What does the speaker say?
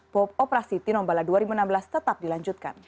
pop operasi tinombala dua ribu enam belas tetap dilanjutkan